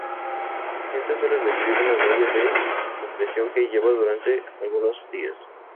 El paciente suele recibir una media de compresión que lleva durante algunos días.